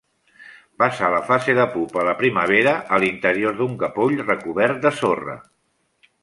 Passa la fase de pupa a la primavera, a l'interior d'un capoll recobert de sorra.